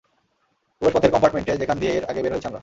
প্রবেশপথের কম্পার্ট্মেন্টে যেখান দিয়ে এর আগে বের হয়েছি আমরা।